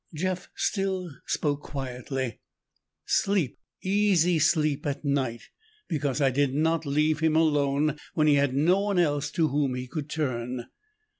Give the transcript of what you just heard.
Jeff still spoke quietly. "Sleep, easy sleep at night because I did not leave him alone when he had no one else to whom he could turn."